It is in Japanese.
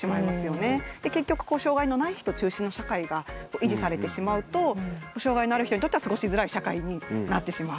で結局障害のない人中心の社会が維持されてしまうと障害のある人にとっては過ごしづらい社会になってしまう。